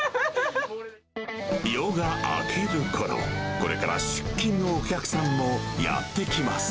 夜が明けるころ、これから出勤のお客さんもやって来ます。